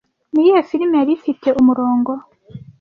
Niyihe firime yari ifite umurongo